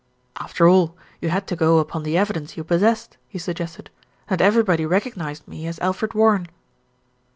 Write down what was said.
"After all, you had to go upon the evidence you possessed," he suggested, "and everybody recognised me as Alfred Warren."